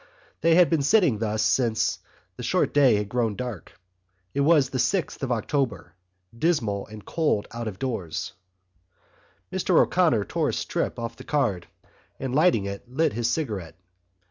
They had been sitting thus since the short day had grown dark. It was the sixth of October, dismal and cold out of doors. Mr O'Connor tore a strip off the card and, lighting it, lit his cigarette.